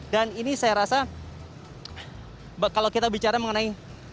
dan ini saya rasa kalau kita bicara mengenai